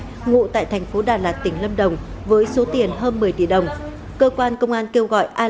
bệnh vụ tại thành phố đà lạt tỉnh lâm đồng với số tiền hơn một mươi tỷ đồng cơ quan công an kêu gọi ai